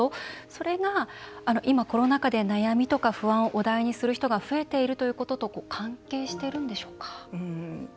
それが今、コロナ禍で悩みとか不安をお題にする人が増えているということと関係してるんでしょうか。